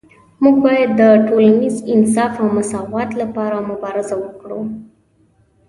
موږ باید د ټولنیز انصاف او مساوات لپاره مبارزه وکړو